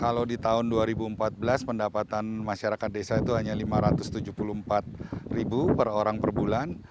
kalau di tahun dua ribu empat belas pendapatan masyarakat desa itu hanya lima ratus tujuh puluh empat ribu per orang per bulan